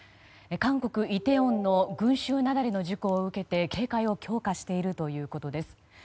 韓国イテウォンの群衆雪崩の事故を受けて警戒を強化しているということです。